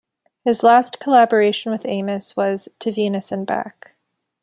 His last collaboration with Amos was "To Venus and Back".